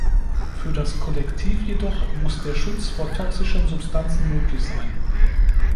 Für das Kollektiv jedoch muss der Schutz vor toxischen Substanzen möglich sein.